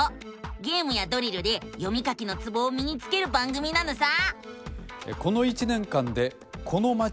ゲームやドリルで読み書きのツボをみにつける番組なのさ！